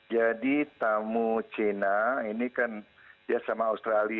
jadi tamu cina ini kan dia sama australia